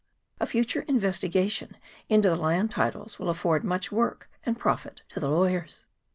A future investigation into the land titles will afford much work and profit to the lawyers.